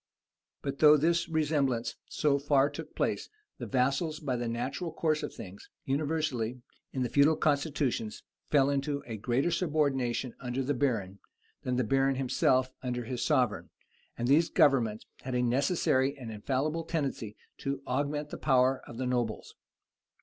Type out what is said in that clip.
] But though this resemblance so far took place, the vassals by the natural course of things, universally, in the feudal constitutions, fell into a greater subordination under the baron, than the baron himself under his sovereign; and these governments had a necessary and infallible tendency to augment the power of the nobles.